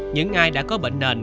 những ai đã có bệnh nền